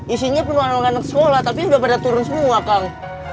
isinya penuh anak anak sekolah tapi ini anak anak turun semua kang